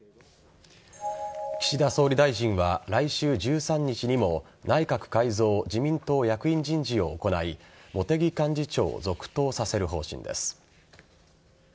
岸田総理大臣は来週１３日にも内閣改造・自民党役員人事を行い茂木幹事長を続投させる方針です。